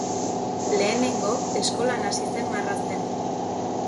Lehenengo eskolan hasi zen marrazten.